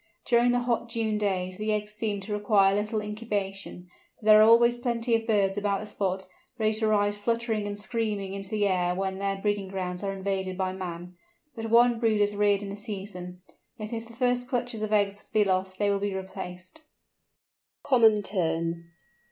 During the hot June days the eggs seem to require little incubation, but there are always plenty of birds about the spot, ready to rise fluttering and screaming into the air when their breeding grounds are invaded by man. But one brood is reared in the season, yet if the first clutches of eggs be lost they will be replaced. COMMON TERN.